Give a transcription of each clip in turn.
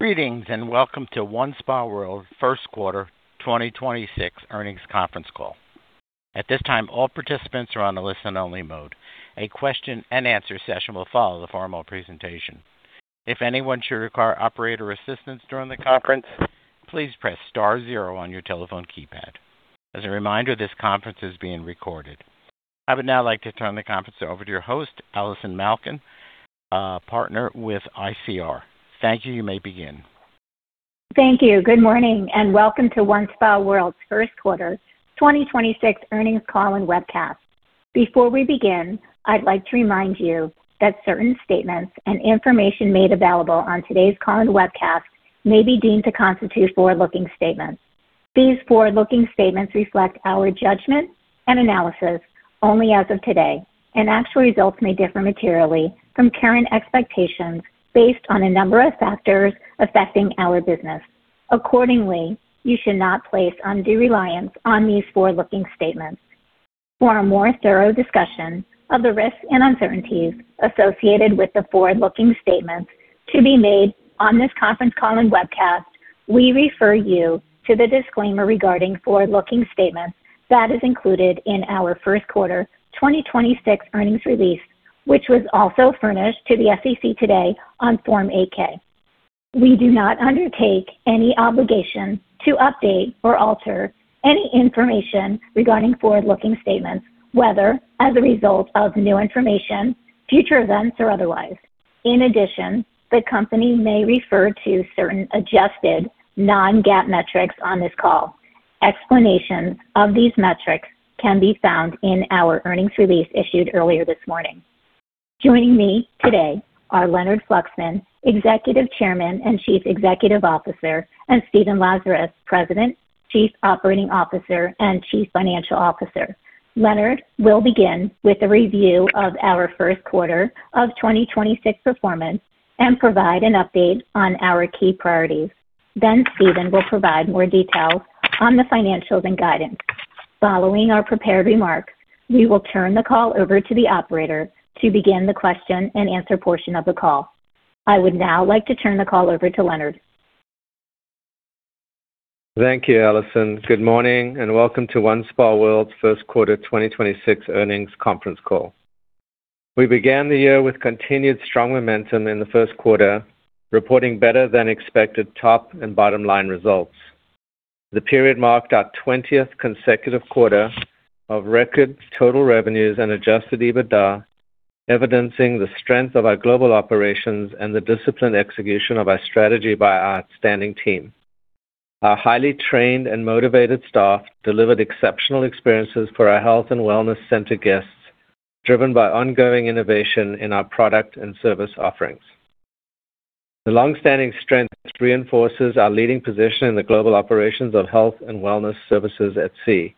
Greetings, and welcome to OneSpaWorld Q1 2026 earnings conference call. At this time, all participants are on a listen-only mode. A question and answer session will follow the formal presentation. If anyone should require operator assistance during the conference, please press star 0 on your telephone keypad. As a reminder, this conference is being recorded. I would now like to turn the conference over to your host, Allison Malkin, Partner with ICR. Thank you. You may begin. Thank you. Good morning, and welcome to OneSpaWorld's Q1 2026 earnings call and webcast. Before we begin, I'd like to remind you that certain statements and information made available on today's call and webcast may be deemed to constitute forward-looking statements. These forward-looking statements reflect our judgment and analysis only as of today, and actual results may differ materially from current expectations based on a number of factors affecting our business. Accordingly, you should not place undue reliance on these forward-looking statements. For a more thorough discussion of the risks and uncertainties associated with the forward-looking statements to be made on this conference call and webcast, we refer you to the disclaimer regarding forward-looking statements that is included in our Q1 2026 earnings release, which was also furnished to the SEC today on Form 8-K. We do not undertake any obligation to update or alter any information regarding forward-looking statements, whether as a result of new information, future events, or otherwise. In addition, the company may refer to certain adjusted non-GAAP metrics on this call. Explanations of these metrics can be found in our earnings release issued earlier this morning. Joining me today are Leonard Fluxman, Executive Chairman and Chief Executive Officer, and Stephen Lazarus, President, Chief Operating Officer, and Chief Financial Officer. Leonard will begin with a review of our Q1 of 2026 performance and provide an update on our key priorities. Stephen will provide more details on the financials and guidance. Following our prepared remarks, we will turn the call over to the operator to begin the question and answer portion of the call. I would now like to turn the call over to Leonard. Thank you, Allison. Good morning and welcome to OneSpaWorld's Q1 2026 earnings conference call. We began the year with continued strong momentum in the Q1, reporting better-than-expected top and bottom-line results. The period marked our 20th consecutive quarter of record total revenues and Adjusted EBITDA, evidencing the strength of our global operations and the disciplined execution of our strategy by our outstanding team. Our highly trained and motivated staff delivered exceptional experiences for our health and wellness center guests, driven by ongoing innovation in our product and service offerings. The long-standing strength reinforces our leading position in the global operations of health and wellness services at sea.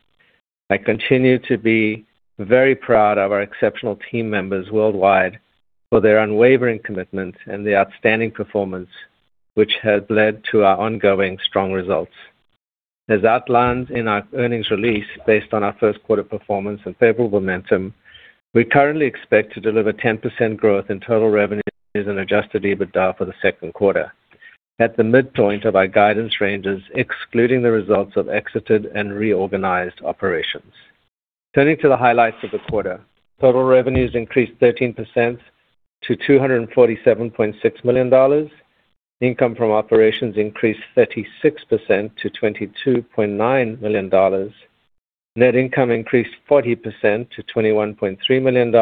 I continue to be very proud of our exceptional team members worldwide for their unwavering commitment and the outstanding performance, which has led to our ongoing strong results. As outlined in our earnings release, based on our Q1 performance and favorable momentum, we currently expect to deliver 10% growth in total revenues and Adjusted EBITDA for the Q2 at the midpoint of our guidance ranges, excluding the results of exited and reorganized operations. Turning to the highlights of the quarter. Total revenues increased 13% to $247.6 million. Income from operations increased 36% to $22.9 million. Net income increased 40% to $21.3 million.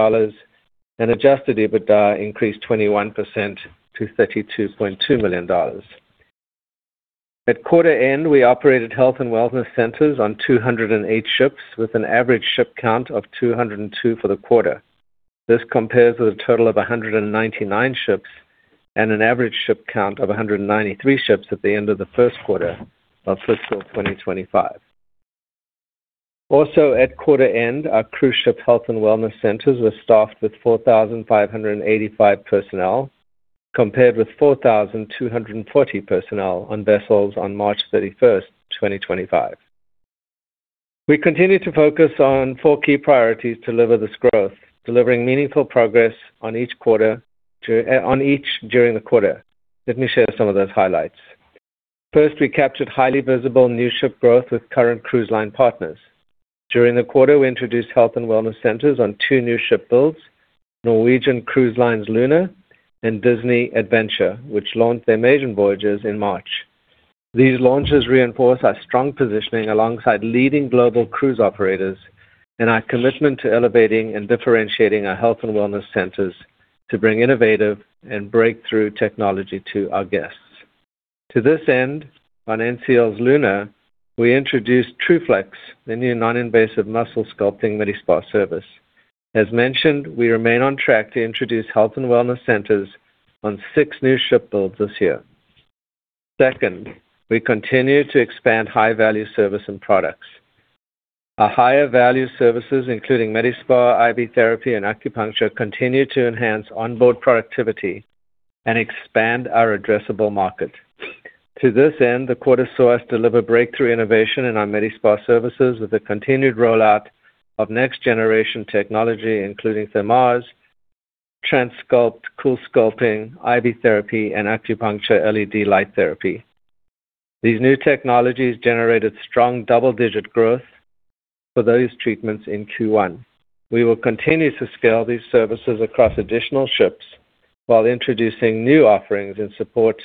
Adjusted EBITDA increased 21% to $32.2 million. At quarter end, we operated health and wellness centers on 208 ships with an average ship count of 202 for the quarter. This compares with a total of 199 ships and an average ship count of 193 ships at the end of the Q1 of fiscal 2025. At quarter end, our cruise ship health and wellness centers were staffed with 4,585 personnel, compared with 4,240 personnel on vessels on March 31st, 2025. We continue to focus on four key priorities to deliver this growth, delivering meaningful progress on each during the quarter. Let me share some of those highlights. We captured highly visible new ship growth with current cruise line partners. During the quarter, we introduced health and wellness centers on two new ship builds, Norwegian Cruise Line's Norwegian Luna and Disney Adventure, which launched their maiden voyages in March. These launches reinforce our strong positioning alongside leading global cruise operators and our commitment to elevating and differentiating our health and wellness centers to bring innovative and breakthrough technology to our guests. To this end, on NCL's Luna, we introduced TruFlex, the new non-invasive muscle sculpting Medi-Spa service. As mentioned, we remain on track to introduce health and wellness centers on six new ship builds this year. Second, we continue to expand high-value service and products. Our higher-value services, including Medi-Spa, IV therapy, and Acupuncture, continue to enhance onboard productivity and expand our addressable market. To this end, the quarter saw us deliver breakthrough innovation in our Medi-Spa services with the continued rollout of next-generation technology, including Thermage, TruSculpt, CoolSculpting, IV therapy, and Acupuncture LED light therapy. These new technologies generated strong double-digit growth for those treatments in Q1. We will continue to scale these services across additional ships while introducing new offerings in support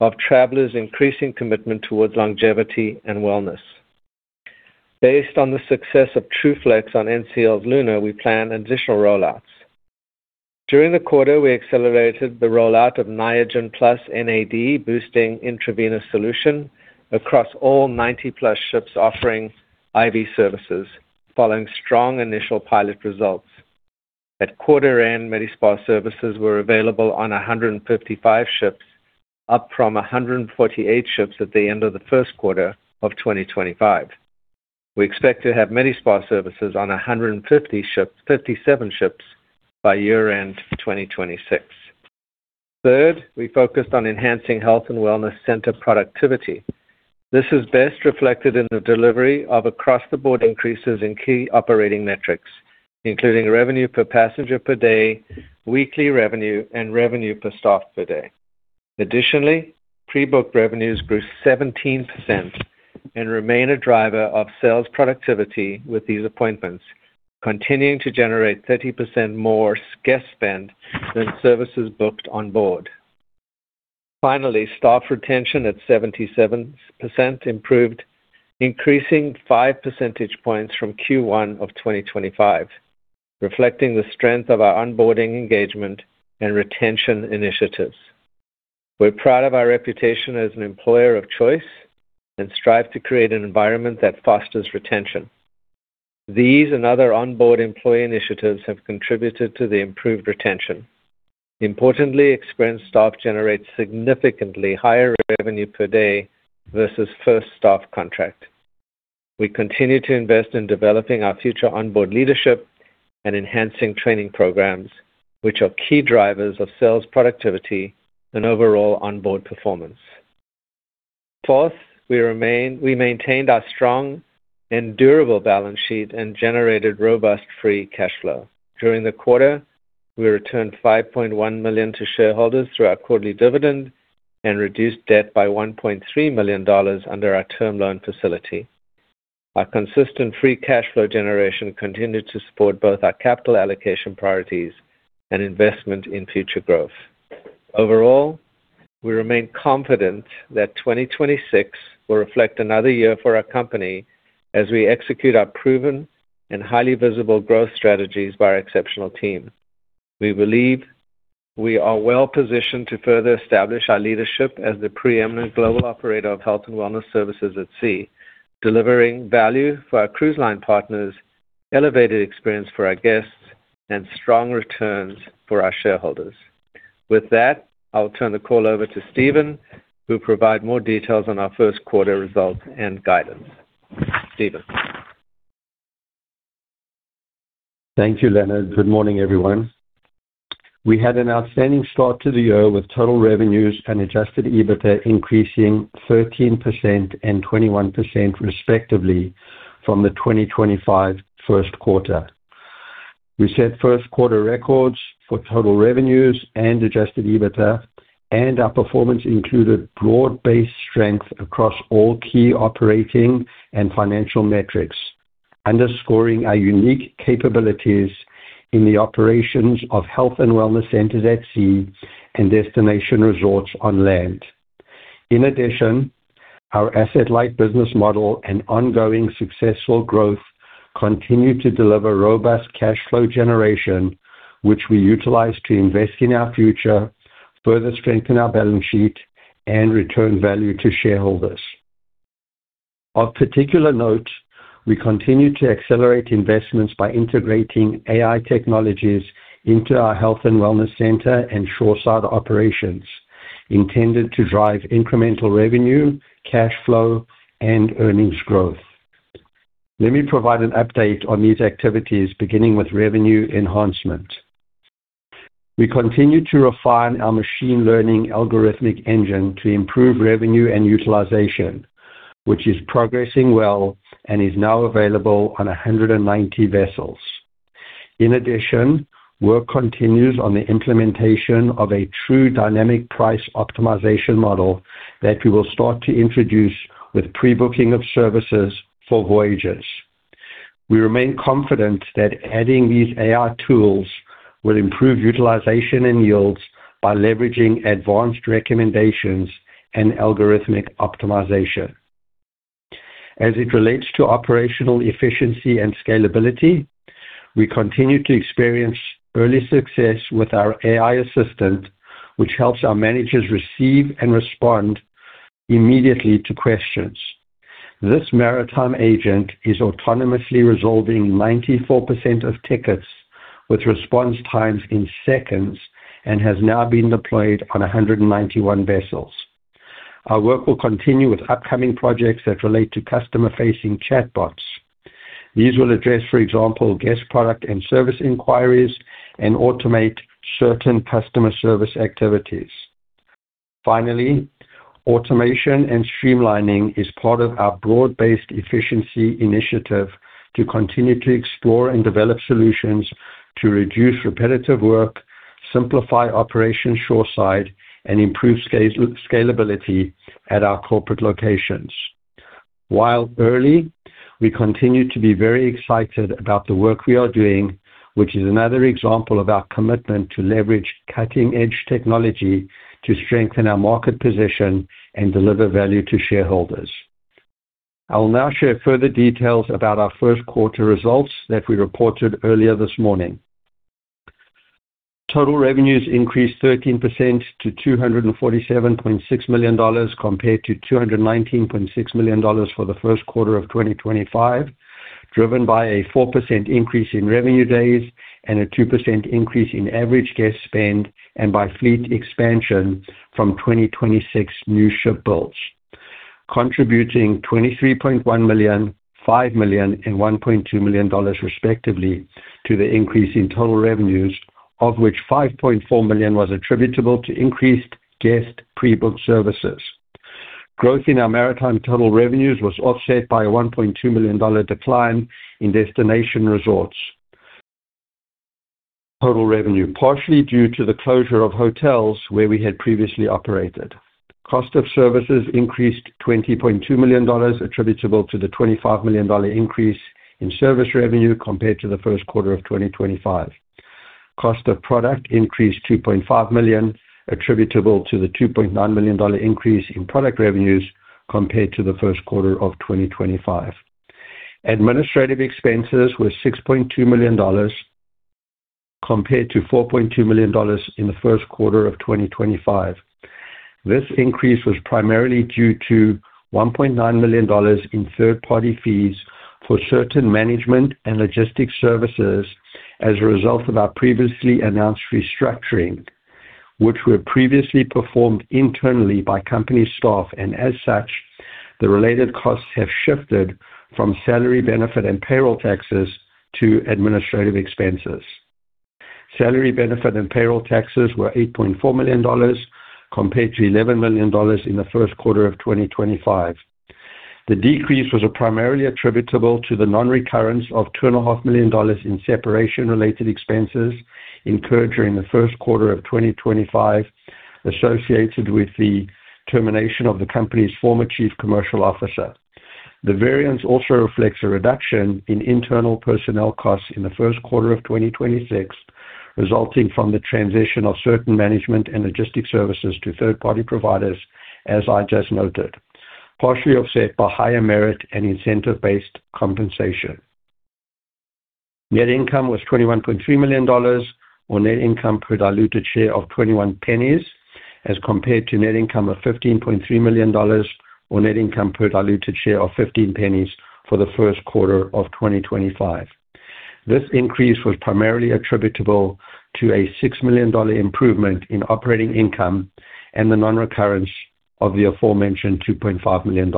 of travelers' increasing commitment towards longevity and wellness. Based on the success of TruFlex on NCL Luna, we plan additional rollouts. During the quarter, we accelerated the rollout of Niagen Plus NAD boosting intravenous solution across all 90+ ships offering IV services following strong initial pilot results. At quarter end, Medi-Spa services were available on 155 ships, up from 148 ships at the end of the Q1 of 2025. We expect to have Medi-Spa services on 157 ships by year-end of 2026. Third, we focused on enhancing health and wellness center productivity. This is best reflected in the delivery of across-the-board increases in key operating metrics, including revenue per passenger per day, weekly revenue, and revenue per staff per day. Additionally, pre-booked revenues grew 17% and remain a driver of sales productivity, with these appointments continuing to generate 30% more guest spend than services booked on board. Finally, staff retention at 77% improved, increasing 5 percentage points from Q1 of 2025, reflecting the strength of our onboarding engagement and retention initiatives. We're proud of our reputation as an employer of choice and strive to create an environment that fosters retention. These and other onboard employee initiatives have contributed to the improved retention. Importantly, experienced staff generate significantly higher revenue per day versus first staff contract. We continue to invest in developing our future onboard leadership and enhancing training programs, which are key drivers of sales productivity and overall onboard performance. Fourth, we maintained our strong and durable balance sheet and generated robust free cash flow. During the quarter, we returned $5.1 million to shareholders through our quarterly dividend and reduced debt by $1.3 million under our term loan facility. Our consistent free cash flow generation continued to support both our capital allocation priorities and investment in future growth. Overall, we remain confident that 2026 will reflect another year for our company as we execute our proven and highly visible growth strategies by our exceptional team. We believe we are well-positioned to further establish our leadership as the preeminent global operator of health and wellness services at sea, delivering value for our cruise line partners, elevated experience for our guests, and strong returns for our shareholders. With that, I'll turn the call over to Stephen, who'll provide more details on our Q1 results and guidance. Stephen? Thank you, Leonard. Good morning, everyone. We had an outstanding start to the year with total revenues and Adjusted EBITDA increasing 13% and 21% respectively from the 2025 Q1. We set Q1 records for total revenues and Adjusted EBITDA, and our performance included broad-based strength across all key operating and financial metrics, underscoring our unique capabilities in the operations of health and wellness centers at sea and destination resorts on land. In addition, our asset-light business model and ongoing successful growth continue to deliver robust cash flow generation, which we utilize to invest in our future, further strengthen our balance sheet, and return value to shareholders. Of particular note, we continue to accelerate investments by integrating AI technologies into our health and wellness center and shoreside operations intended to drive incremental revenue, cash flow, and earnings growth. Let me provide an update on these activities, beginning with revenue enhancement. We continue to refine our machine learning algorithmic engine to improve revenue and utilization, which is progressing well and is now available on 190 vessels. Work continues on the implementation of a true dynamic price optimization model that we will start to introduce with pre-booking of services for voyages. We remain confident that adding these AI tools will improve utilization and yields by leveraging advanced recommendations and algorithmic optimization. As it relates to operational efficiency and scalability, we continue to experience early success with our AI assistant, which helps our managers receive and respond immediately to questions. This maritime agent is autonomously resolving 94% of tickets with response times in seconds and has now been deployed on 191 vessels. Our work will continue with upcoming projects that relate to customer-facing chatbots. These will address, for example, guest product and service inquiries and automate certain customer service activities. Automation and streamlining is part of our broad-based efficiency initiative to continue to explore and develop solutions to reduce repetitive work, simplify operation shoreside, and improve scalability at our corporate locations. While early, we continue to be very excited about the work we are doing, which is another example of our commitment to leverage cutting-edge technology to strengthen our market position and deliver value to shareholders. I will now share further details about our Q1 results that we reported earlier this morning. Total revenues increased 13% to $247.6 million compared to $219.6 million for the Q1 of 2025, driven by a 4% increase in revenue days and a 2% increase in average guest spend and by fleet expansion from 2026 new ship builds. Contributing $23.1 million, $5 million, and $1.2 million respectively to the increase in total revenues, of which $5.4 million was attributable to increased guest pre-booked services. Growth in our maritime total revenues was offset by a $1.2 million decline in destination resorts, partially due to the closure of hotels where we had previously operated. Cost of services increased $20.2 million attributable to the $25 million increase in service revenue compared to the Q1 of 2025. Cost of product increased $2.5 million attributable to the $2.9 million increase in product revenues compared to the Q1 of 2025. Administrative expenses were $6.2 million compared to $4.2 million in the Q1 of 2025. This increase was primarily due to $1.9 million in third-party fees for certain management and logistics services as a result of our previously announced restructuring, which were previously performed internally by company staff. As such, the related costs have shifted from salary benefit and payroll taxes to administrative expenses. Salary benefit and payroll taxes were $8.4 million compared to $11 million in the Q1 of 2025. The decrease was primarily attributable to the non-recurrence of $2.5 Million in separation-related expenses incurred during the Q1 of 2025 associated with the termination of the company's former chief commercial officer. The variance also reflects a reduction in internal personnel costs in the Q1 of 2026, resulting from the transition of certain management and logistic services to third-party providers, as I just noted, partially offset by higher merit and incentive-based compensation. Net income was $21.3 million or net income per diluted share of $0.21 as compared to net income of $15.3 million or net income per diluted share of $0.15 for the Q1 of 2025. This increase was primarily attributable to a $6 million improvement in operating income and the non-recurrence of the aforementioned $2.5 million.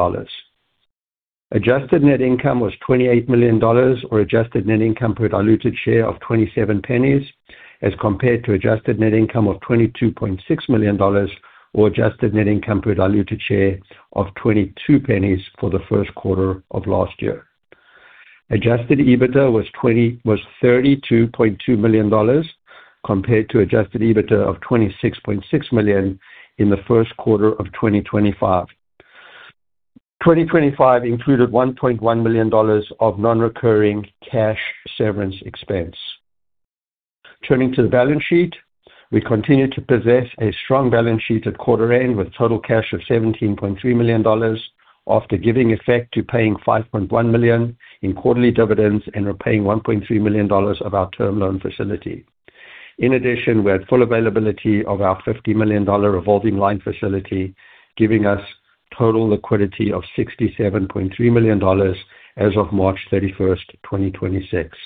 Adjusted net income was $28 million or adjusted net income per diluted share of $0.27 as compared to adjusted net income of $22.6 million or adjusted net income per diluted share of $0.22 for the Q1 of last year. Adjusted EBITDA was $32.2 million compared to Adjusted EBITDA of $26.6 million in the Q1 of 2025. 2025 included $1.1 million of non-recurring cash severance expense. Turning to the balance sheet, we continue to possess a strong balance sheet at quarter end with total cash of $17.3 million after giving effect to paying $5.1 million in quarterly dividends and repaying $1.3 million of our term loan facility. In addition, we had full availability of our $50 million revolving line facility, giving us total liquidity of $67.3 million as of March 31, 2026.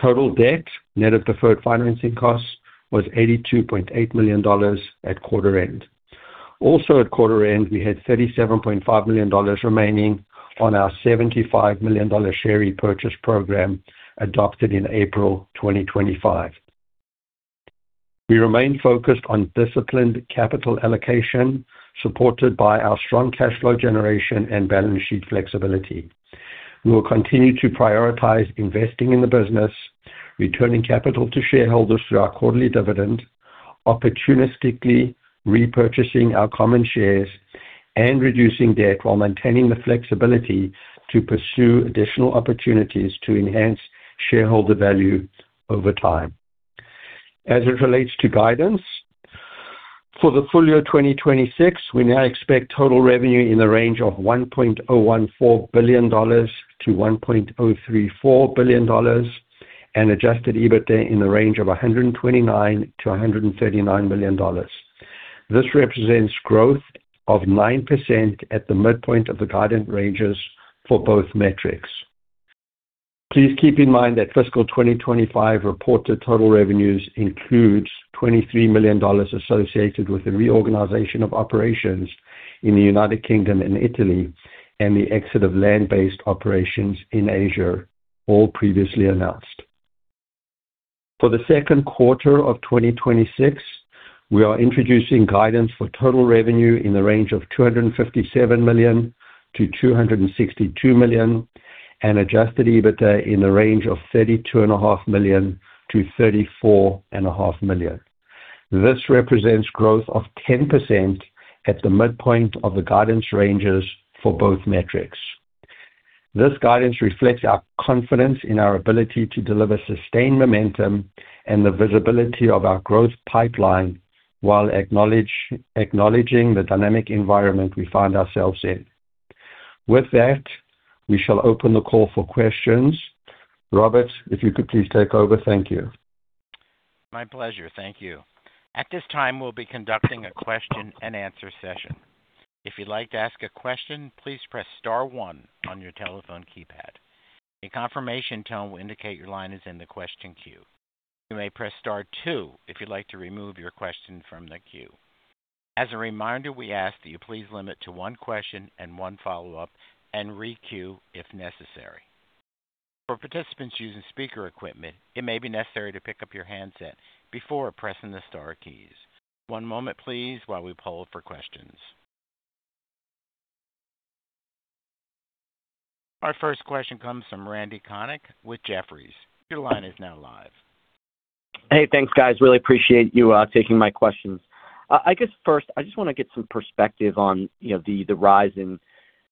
Total debt, net of deferred financing costs, was $82.8 million at quarter end. Also at quarter end, we had $37.5 million remaining on our $75 million share repurchase program adopted in April 2025. We remain focused on disciplined capital allocation, supported by our strong cash flow generation and balance sheet flexibility. We will continue to prioritize investing in the business, returning capital to shareholders through our quarterly dividend, opportunistically repurchasing our common shares, and reducing debt while maintaining the flexibility to pursue additional opportunities to enhance shareholder value over time. As it relates to guidance, for the full year 2026, we now expect total revenue in the range of $1.014 billion-$1.034 billion and Adjusted EBITDA in the range of $129 million-$139 million. This represents growth of 9% at the midpoint of the guidance ranges for both metrics. Please keep in mind that fiscal 2025 reported total revenues includes $23 million associated with the reorganization of operations. In the United Kingdom and Italy, and the exit of land-based operations in Asia, all previously announced. For the Q2 of 2026, we are introducing guidance for total revenue in the range of $257 million-$262 million, and Adjusted EBITDA in the range of 32.5 million-34.5 million. This represents growth of 10% at the midpoint of the guidance ranges for both metrics. This guidance reflects our confidence in our ability to deliver sustained momentum and the visibility of our growth pipeline while acknowledging the dynamic environment we find ourselves in. With that, we shall open the call for questions. Robert, if you could please take over. Thank you. My pleasure. Thank you. At this time, we'll be conducting a question and answer session. If you'd like to ask a question, please press star one on your telephone keypad. A confirmation tone will indicate your line is in the question queue. You may press star two if you'd like to remove your question from the queue. As a reminder, we ask that you please limit to one question and one follow-up and re-queue if necessary. For participants using speaker equipment, it may be necessary to pick up your handset before pressing the star keys. One moment please while we poll for questions. Our first question comes from Randal Konik with Jefferies. Your line is now live. Hey, thanks, guys. Really appreciate you taking my questions. I guess first, I just wanna get some perspective on, you know, the rise in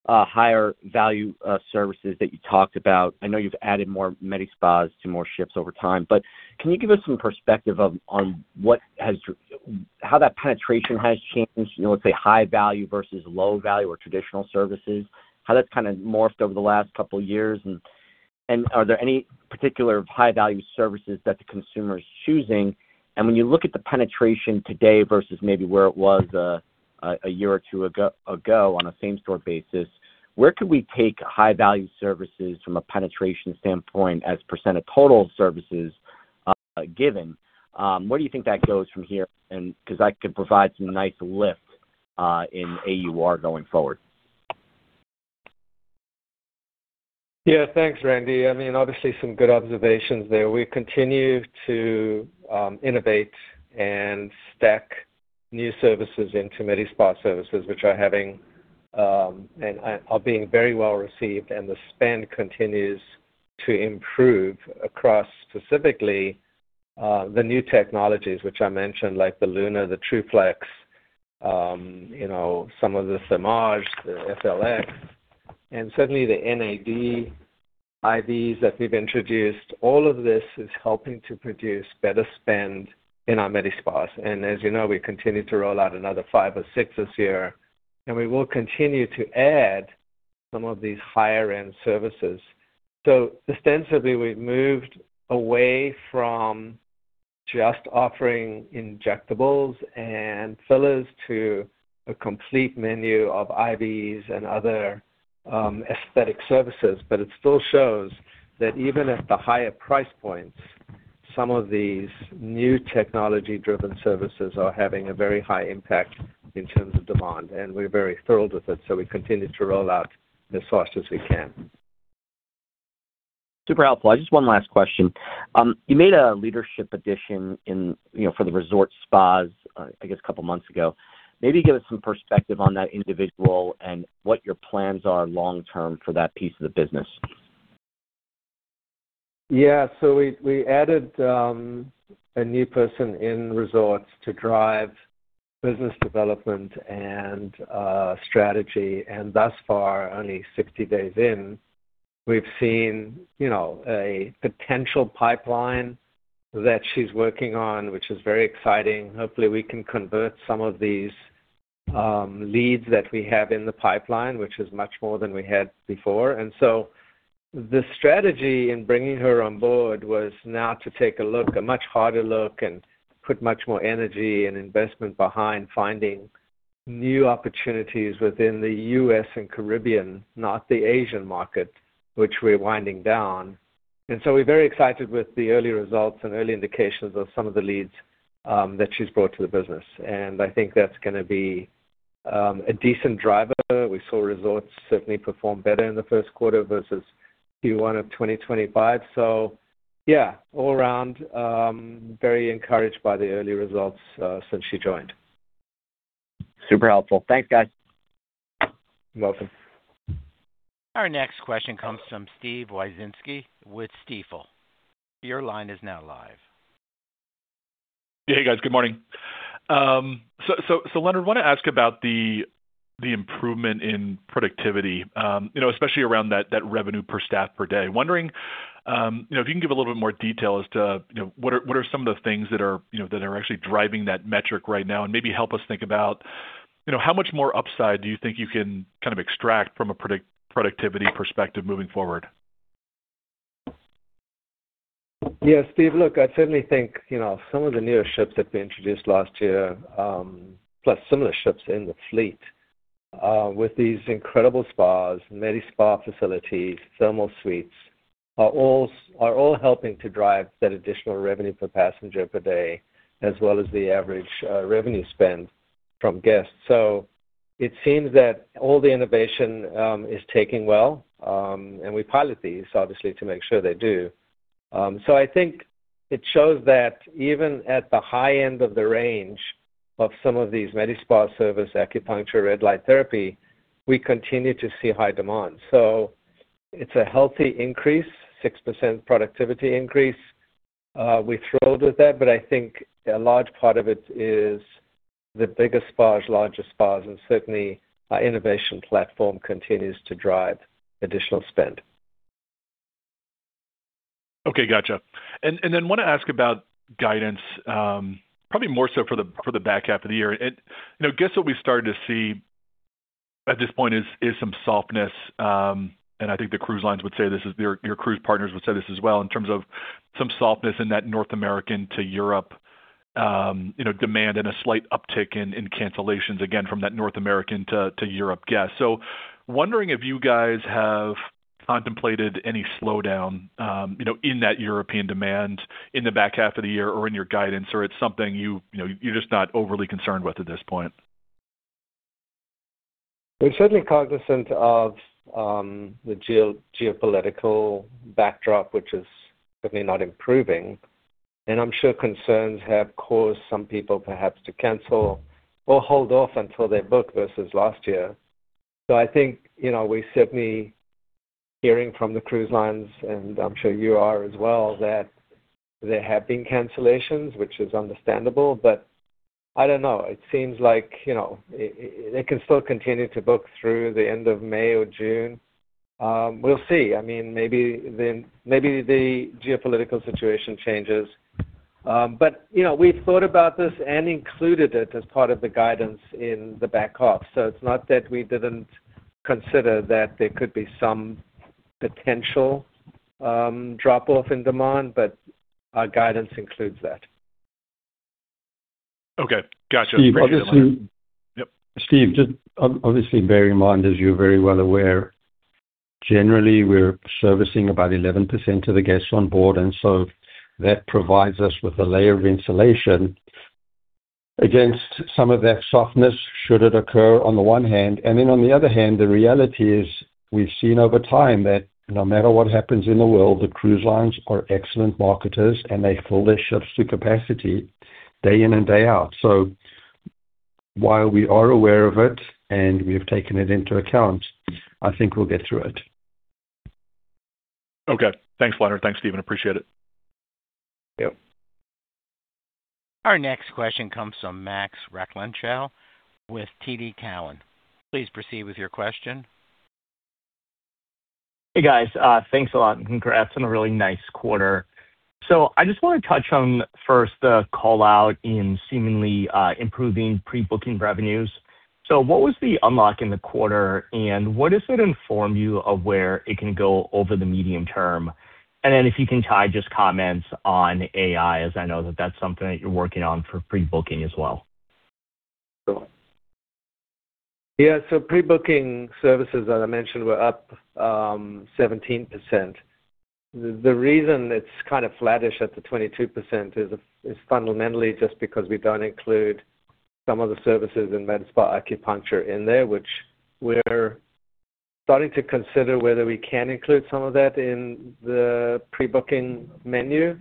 higher value services that you talked about. I know you've added more Medi-Spas to more ships over time, but can you give us some perspective of, on how that penetration has changed, you know, let's say high value versus low value or traditional services, how that's kinda morphed over the last couple of years? Are there any particular high-value services that the consumer is choosing? When you look at the penetration today versus maybe where it was a year or two ago on a same store basis, where could we take high-value services from a penetration standpoint as % of total services, given? Where do you think that goes from here? Because that could provide some nice lift in AUR going forward. Yeah. Thanks, Randal. I mean, obviously some good observations there. We continue to innovate and stack new services into Medi-Spa services, which are having and are being very well received, and the spend continues to improve across specifically the new technologies which I mentioned, like the Luna, the TruFlex, you know, some of the Thermage, the FLX, and certainly the NAD IVs that we've introduced. All of this is helping to produce better spend in our Medi-Spas. As you know, we continue to roll out another five or six this year, and we will continue to add some of these higher-end services. Ostensibly, we've moved away from just offering injectables and fillers to a complete menu of IVs and other aesthetic services. It still shows that even at the higher price points, some of these new technology-driven services are having a very high impact in terms of demand, and we're very thrilled with it, so we continue to roll out as fast as we can. Super helpful. Just one last question. You made a leadership addition in, you know, for the resort spas, I guess a couple of months ago. Maybe give us some perspective on that individual and what your plans are long term for that piece of the business. We added a new person in resorts to drive business development and strategy. Thus far, only 60 days in, we've seen, you know, a potential pipeline that she's working on, which is very exciting. Hopefully, we can convert some of these leads that we have in the pipeline, which is much more than we had before. The strategy in bringing her on board was now to take a look, a much harder look and put much more energy and investment behind finding new opportunities within the U.S. and Caribbean, not the Asian market, which we're winding down. We're very excited with the early results and early indications of some of the leads that she's brought to the business. I think that's gonna be a decent driver. We saw resorts certainly perform better in the Q1 versus Q1 of 2025. Yeah, all around, very encouraged by the early results since she joined. Super helpful. Thanks, guys. You're welcome. Our next question comes from Steven Wieczynski with Stifel. Your line is now live. Hey, guys. Good morning. Leonard, wanna ask about the improvement in productivity, you know, especially around that revenue per staff per day. Wondering, you know, if you can give a little bit more detail as to, you know, what are some of the things that are, you know, that are actually driving that metric right now? Maybe help us think about, you know, how much more upside do you think you can kind of extract from a productivity perspective moving forward? Yeah. Stephen, look, I certainly think, you know, some of the newer ships that we introduced last year, plus similar ships in the fleet, with these incredible spas, Medi-Spa facilities, thermal suites, are all helping to drive that additional revenue per passenger per day, as well as the average revenue spend from guests. It seems that all the innovation is taking well. We pilot these obviously to make sure they do. I think it shows that even at the high end of the range of some of these Medi-Spa service, acupuncture, red light therapy, we continue to see high demand. It is a healthy increase, 6% productivity increase. We are thrilled with that. I think a large part of it is the bigger spas, larger spas, certainly our innovation platform continues to drive additional spend. Okay. Gotcha. Then wanna ask about guidance, probably more so for the back half of the year. You know, guess what we started to see at this point is some softness. I think the cruise lines would say this, your cruise partners would say this as well, in terms of some softness in that North American to Europe, you know, demand and a slight uptick in cancellations again from that North American to Europe guest. Wondering if you guys have contemplated any slowdown, you know, in that European demand in the back half of the year or in your guidance, or it's something you know, you're just not overly concerned with at this point. We're certainly cognizant of the geopolitical backdrop, which is certainly not improving. I'm sure concerns have caused some people perhaps to cancel or hold off until they book versus last year. I think, you know, we're certainly hearing from the cruise lines, and I'm sure you are as well, that there have been cancellations, which is understandable. I don't know. It seems like, you know, it can still continue to book through the end of May or June. We'll see. I mean, maybe the geopolitical situation changes. You know, we've thought about this and included it as part of the guidance in the back half. It's not that we didn't consider that there could be some potential drop-off in demand, but our guidance includes that. Okay. Gotcha. Appreciate that. Steve. Yep. Steve, just obviously bear in mind, as you're very well aware, generally we're servicing about 11% of the guests on board, and so that provides us with a layer of insulation against some of that softness should it occur on the one hand. Then on the other hand, the reality is we've seen over time that no matter what happens in the world, the cruise lines are excellent marketers, and they fill their ships to capacity day in and day out. While we are aware of it and we have taken it into account, I think we'll get through it. Okay. Thanks, Leonard. Thanks, Stephen. Appreciate it. Yep. Our next question comes from Max Rakhlenko with TD Cowen. Please proceed with your question. Hey, guys. Thanks a lot, and congrats on a really nice quarter. I just wanna touch on first the call out in seemingly improving pre-booking revenues. What was the unlock in the quarter, and what does it inform you of where it can go over the medium term? If you can tie just comments on AI, as I know that that's something that you're working on for pre-booking as well. Sure. Yeah. Pre-booking services that I mentioned were up 17%. The reason it's kind of flattish at the 22% is fundamentally just because we don't include some of the services in Medi-Spa Acupuncture in there, which we're starting to consider whether we can include some of that in the pre-booking menu.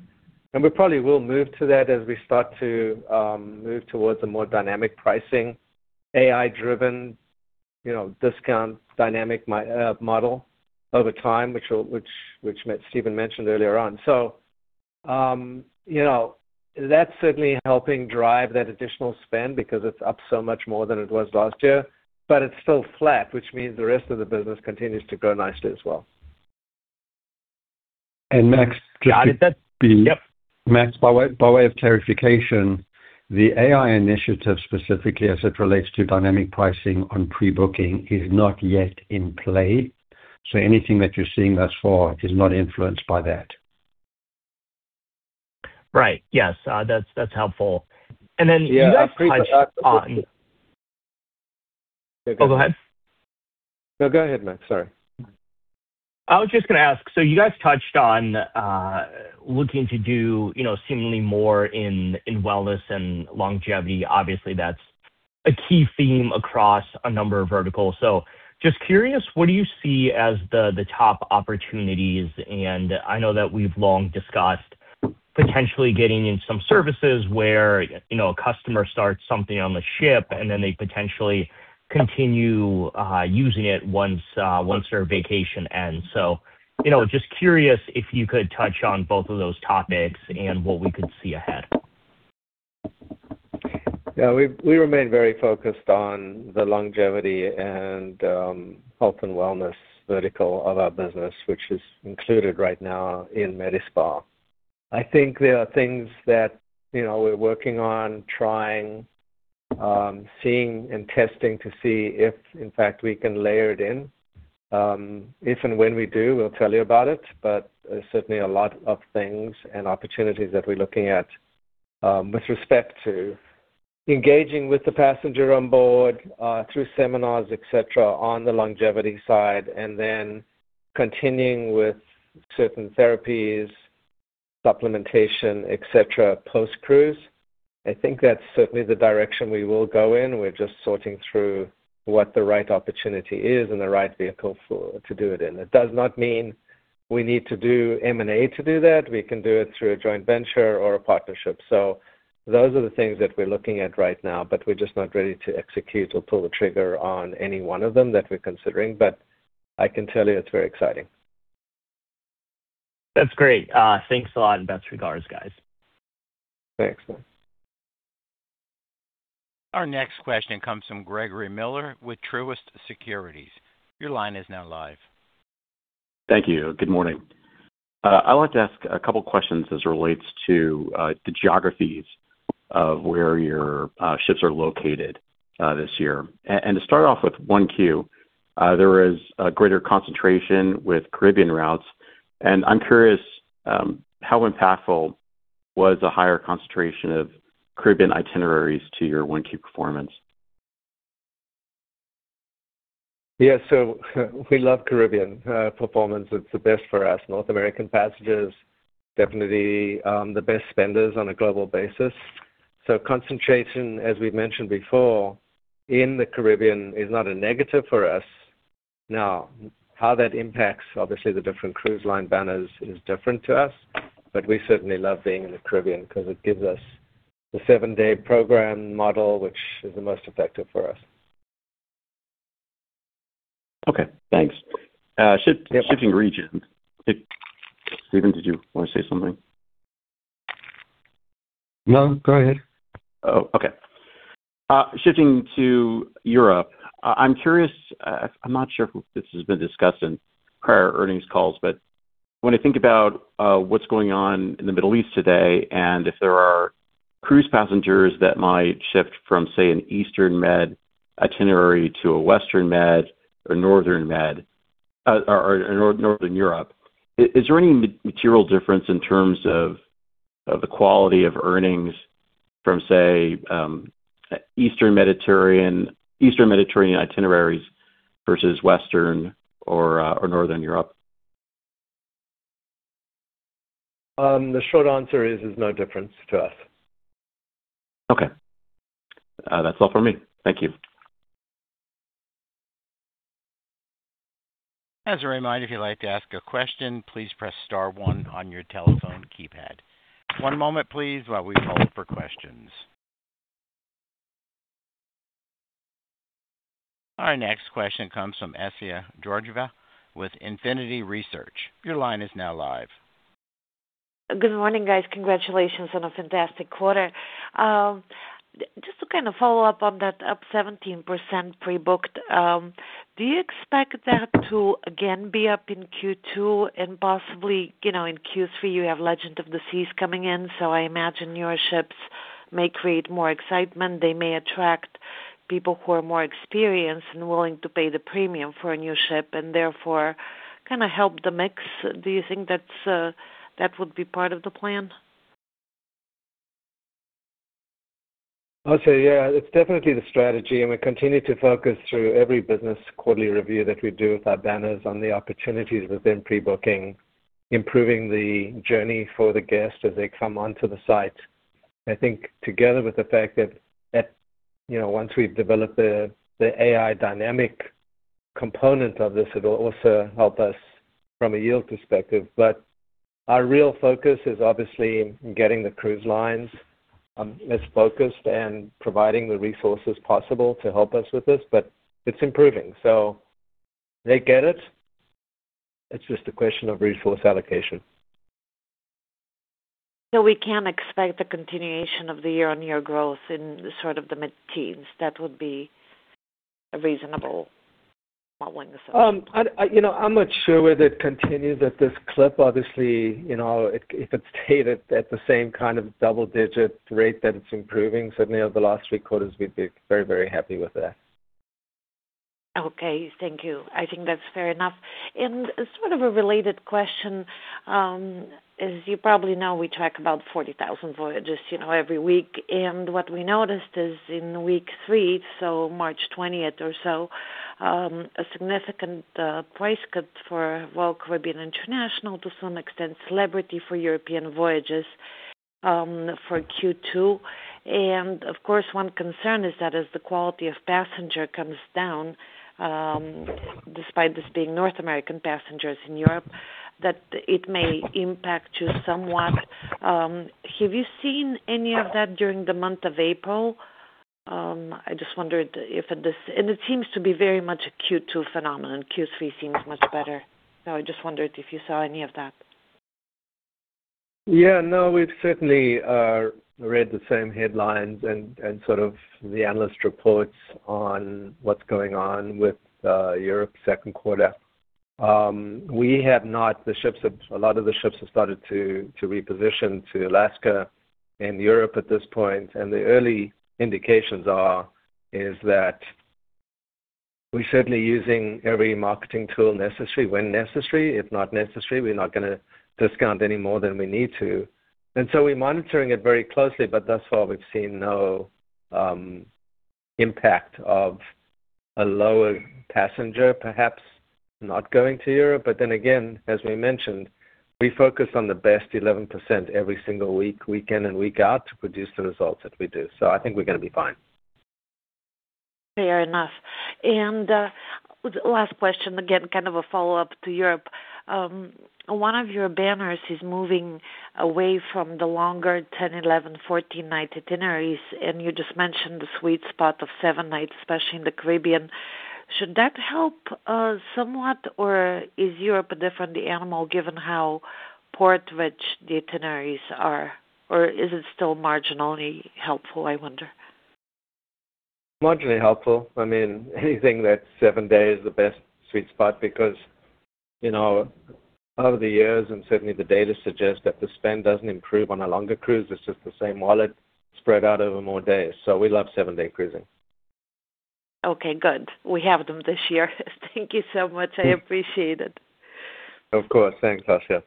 We probably will move to that as we start to move towards a more dynamic pricing, AI-driven, you know, discount dynamic model over time, which Stephen mentioned earlier on. You know, that's certainly helping drive that additional spend because it's up so much more than it was last year. It's still flat, which means the rest of the business continues to grow nicely as well. Max. Got it. That's. Yep. Max, by way of clarification, the AI initiative, specifically as it relates to dynamic pricing on pre-booking, is not yet in play. Anything that you're seeing thus far is not influenced by that. Right. Yes. That's helpful. You guys touched on. Yeah. Oh, go ahead. No, go ahead, Max. Sorry. I was just gonna ask, so you guys touched on, looking to do, you know, seemingly more in wellness and longevity. Obviously, that's a key theme across a number of verticals. So just curious, what do you see as the top opportunities? And I know that we've long discussed potentially getting in some services where, you know, a customer starts something on the ship, and then they potentially continue, using it once their vacation ends. So, you know, just curious if you could touch on both of those topics and what we could see ahead. Yeah. We remain very focused on the longevity and health and wellness vertical of our business, which is included right now in Medi-Spa. I think there are things that, you know, we're working on trying, seeing and testing to see if in fact we can layer it in. If and when we do, we'll tell you about it, but there's certainly a lot of things and opportunities that we're looking at. With respect to engaging with the passenger on board, through seminars, et cetera, on the longevity side, and then continuing with certain therapies, supplementation, et cetera, post cruise. I think that's certainly the direction we will go in. We're just sorting through what the right opportunity is and the right vehicle to do it in. It does not mean we need to do M&A to do that. We can do it through a joint venture or a partnership. Those are the things that we're looking at right now, but we're just not ready to execute or pull the trigger on any one of them that we're considering. I can tell you it's very exciting. That's great. Thanks a lot, and best regards, guys. Thanks. Our next question comes from Gregory Miller with Truist Securities. Your line is now live. Thank you. Good morning. I wanted to ask two questions as it relates to the geographies of where your ships are located this year. To start off with Q1, there was a greater concentration with Caribbean routes, and I'm curious, how impactful was the higher concentration of Caribbean itineraries to your Q1 performance? Yes. We love Caribbean performance. It's the best for us. North American passengers definitely the best spenders on a global basis. Concentration, as we've mentioned before, in the Caribbean is not a negative for us. Now, how that impacts, obviously, the different cruise line banners is different to us, but we certainly love being in the Caribbean because it gives us the seven-day program model, which is the most effective for us. Okay, thanks. Yeah. Shifting region. Stephen, did you want to say something? No, go ahead. Okay. Shifting to Europe, I'm curious, I'm not sure if this has been discussed in prior earnings calls, when I think about what's going on in the Middle East today, if there are cruise passengers that might shift from, say, an Eastern Med itinerary to a Western Med or Northern Med or Northern Europe, is there any material difference in terms of the quality of earnings from, say, Eastern Mediterranean itineraries versus Western or Northern Europe? The short answer is there's no difference to us. Okay. That's all for me. Thank you. As a reminder, if you'd like to ask a question, please press star one on your telephone keypad. One moment, please, while we look for questions. Our next question comes from Assia Georgieva with Infinity Research. Your line is now live. Good morning, guys. Congratulations on a fantastic quarter. Just to kind of follow up on that up 17% pre-booked, do you expect that to again be up in Q2 and possibly, you know, in Q3, you have Legend of the Seas coming in, so I imagine your ships may create more excitement, they may attract people who are more experienced and willing to pay the premium for a new ship, and therefore kind of help the mix. Do you think that's that would be part of the plan? I'll say, yeah, it's definitely the strategy, and we continue to focus through every business quarterly review that we do with our banners on the opportunities within pre-booking, improving the journey for the guests as they come onto the site. I think together with the fact that, you know, once we've developed the AI dynamic component of this, it'll also help us from a yield perspective. Our real focus is obviously getting the cruise lines as focused and providing the resources possible to help us with this. It's improving, so they get it. It's just a question of resource allocation. We can expect the continuation of the year-on-year growth in sort of the mid-teens. That would be a reasonable willingness. I, you know, I'm not sure whether it continues at this clip. Obviously, you know, if it's stayed at the same kind of double-digit rate that it's improving, certainly over the last three quarters, we'd be very, very happy with that. Okay. Thank you. I think that's fair enough. Sort of a related question, as you probably know, we track about 40,000 voyages, you know, every week. What we noticed is in week three, so March 20 or so, a significant price cut for Royal Caribbean International, to some extent Celebrity for European voyages, for Q2. Of course, one concern is that as the quality of passenger comes down, despite this being North American passengers in Europe, that it may impact you somewhat. Have you seen any of that during the month of April? I just wondered if it seems to be very much a Q2 phenomenon. Q3 seems much better. I just wondered if you saw any of that. Yeah, no, we've certainly read the same headlines and sort of the analyst reports on what's going on with Europe Q2. We have not. A lot of the ships have started to reposition to Alaska and Europe at this point, the early indications are is that we're certainly using every marketing tool necessary when necessary. If not necessary, we're not gonna discount any more than we need to. We're monitoring it very closely, but thus far, we've seen no impact of a lower passenger perhaps not going to Europe. Again, as we mentioned, we focus on the best 11% every single week in and week out, to produce the results that we do. I think we're gonna be fine. Fair enough. Last question, again, kind of a follow-up to Europe. One of your banners is moving away from the longer 10, 11, 14-night itineraries, and you just mentioned the sweet spot of seven nights, especially in the Caribbean. Should that help somewhat, or is Europe a different animal given how port-rich the itineraries are? Is it still marginally helpful, I wonder? Marginally helpful. I mean, anything that's seven days the best sweet spot because, you know, over the years, and certainly the data suggests that the spend doesn't improve on a longer cruise. It's just the same wallet spread out over more days. We love seven-day cruising. Okay, good. We have them this year. Thank you so much. I appreciate it. Of course. Thanks, Assia.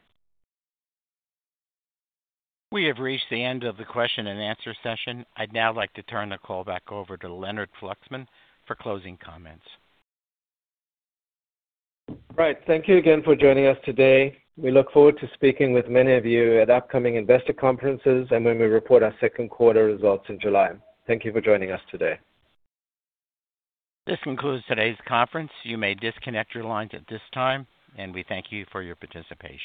We have reached the end of the question and answer session. I'd now like to turn the call back over to Leonard Fluxman for closing comments. Right. Thank you again for joining us today. We look forward to speaking with many of you at upcoming investor conferences and when we report our Q2 results in July. Thank you for joining us today. This concludes today's conference. You may disconnect your lines at this time, and we thank you for your participation.